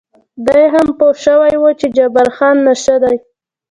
دی هم پوه شوی و چې جبار خان نشه دی.